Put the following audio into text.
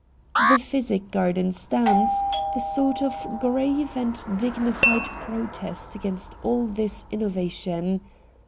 The Physic Garden stands, a sort of grave and dignified protest against all this innova tion.